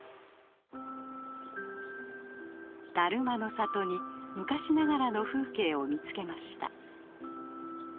だるまの里に昔ながらの風景を見つけました。